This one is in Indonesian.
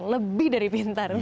lebih dari pintar